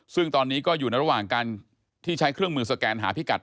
ซึ่งตอนนี้ก็อยู่ในระหว่างการที่ใช้เครื่องมือสแกนหาพิกัด